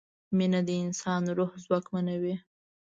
مینه د انسان روح ځواکمنوي.